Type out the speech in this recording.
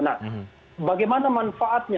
nah bagaimana manfaatnya